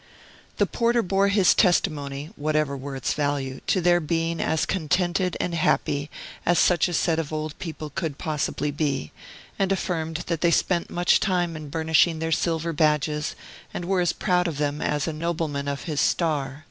The porter bore his testimony (whatever were its value) to their being as contented and happy as such a set of old people could possibly be, and affirmed that they spent much time in burnishing their silver badges, and were as proud of them as a nobleman of his star.